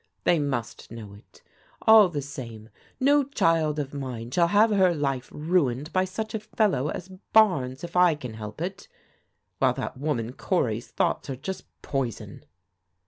They must know it All the same no child of mine shall have her life ruined by such a fellow as Barnes if I can help it; while that woman G)ry's thoughts are just poison."